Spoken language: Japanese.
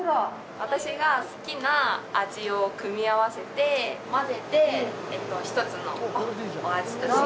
私が好きな味を組み合わせて混ぜて一つのお味として。